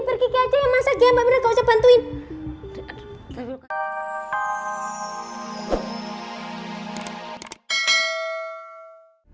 pergi pergi aja ya masa dia mbak mirna kau aja bantuin